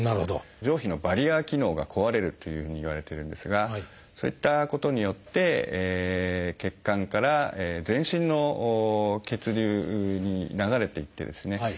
上皮のバリア機能が壊れるというふうにいわれてるんですがそういったことによって血管から全身の血流に流れていってですね